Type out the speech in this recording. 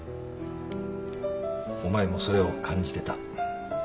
お前もそれを感じてた。